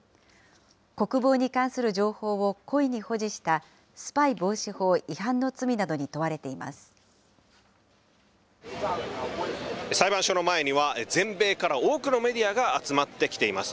国防に関する情報を故意に保持したスパイ防止法違反の罪などに問裁判所の前には、全米から多くのメディアが集まってきています。